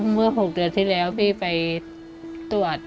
เมื่อ๖เดือนที่แล้วพี่ไปตรวจกับมพี่แมททัย